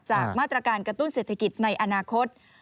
จากมาตรการกระตุ้นเศรษฐกิจในอนาคต